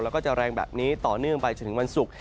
แล้วก็จะแรงแบบนี้ต่อเนื่องไปจนถึงวันศุกร์